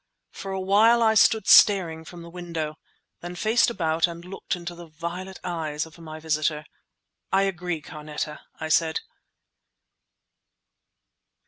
For a while I stood staring from the window, then faced about and looked into the violet eyes of my visitor. "I agree, Carneta!" I said.